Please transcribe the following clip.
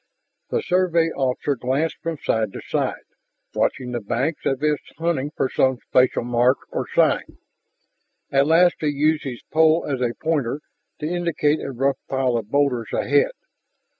The Survey officer glanced from side to side, watching the banks as if hunting for some special mark or sign. At last he used his pole as a pointer to indicate a rough pile of boulders ahead.